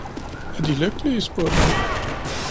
Er de lykkelig spurgte han